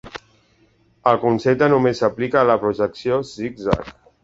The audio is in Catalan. El concepte només s'aplica a la projecció Zigzag.